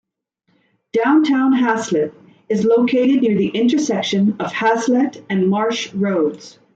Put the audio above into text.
Downtown Haslett is located near the intersection of Haslett and Marsh roads.